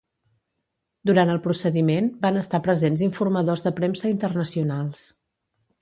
Durant el procediment van estar presents informadors de premsa internacionals.